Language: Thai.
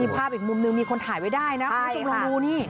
ภาพอีกมุมหนึ่งมีคนถ่ายไว้ได้นะฮ่าสุรมูร์งูนี่